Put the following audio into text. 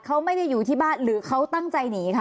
เขาไม่ได้อยู่ที่บ้านหรือเขาตั้งใจหนีคะ